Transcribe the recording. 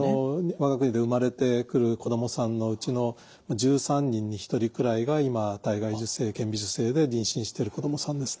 我が国で生まれてくる子どもさんのうちの１３人に１人くらいが今体外受精顕微授精で妊娠してる子どもさんです。